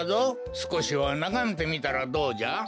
すこしはながめてみたらどうじゃ？